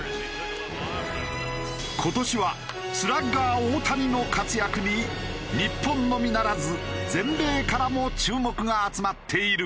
今年はスラッガー大谷の活躍に日本のみならず全米からも注目が集まっている。